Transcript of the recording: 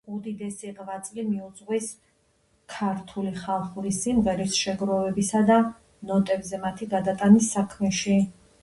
უდიდესი ღვაწლი მიუძღვის ქართული ხალხური სიმღერების შეგროვებისა და ნოტებზე მათი გადატანის საქმეში.